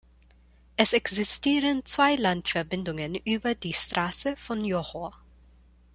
Es existieren zwei Landverbindungen über die Straße von Johor.